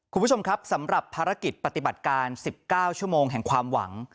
คุณผู้ชมครับสำหรับภารกิจปฏิบัติการ๑๙ชั่วโมงแห่งความหวัง